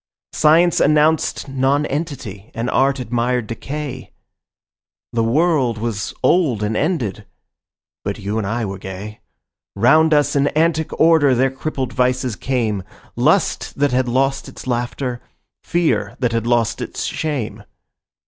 Science announced nonentity and art admired decay; The world was old and ended: but you and I were gay; Round us in antic order their crippled vices came— Lust that had lost its laughter, fear that had lost its shame.